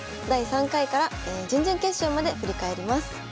第３回から準々決勝まで振り返ります。